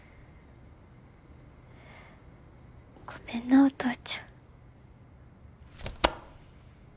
ごめんなお父ちゃん。